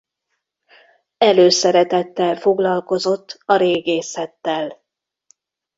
Előszeretettel foglalkozott a régészettel.